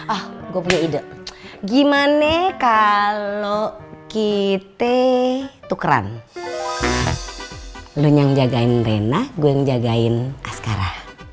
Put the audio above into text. ah gue punya ide gimana kalau kita tukeran lu yang ngejagain rena gue yang ngejagain askara